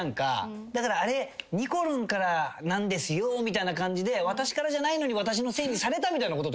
だからあれにこるんからなんですよみたいな感じで私からじゃないのに私のせいにされたみたいなこととかはない？